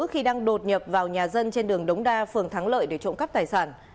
khi đang đột nhập vào nhà dân trên đường đống đa phường thắng lợi để trộm cắp tài sản